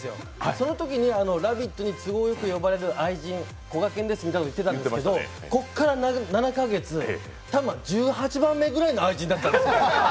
そのときに「ラヴィット！」に都合よく呼ばれる愛人こがけんですみたいなことを言ってたんですけど、ここから７か月多分、１８番目ぐらいの愛人だったんですね。